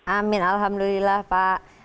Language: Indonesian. amin alhamdulillah pak